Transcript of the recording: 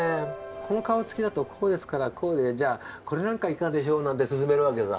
「この顔つきだとこうですからこうでじゃあこれなんかいかがでしょう？」なんて薦める訳さ。